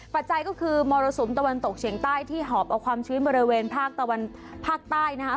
ปัจจัยก็คือมรสุมตะวันตกเฉียงใต้ที่หอบเอาความชื้นบริเวณภาคตะวันภาคใต้นะคะ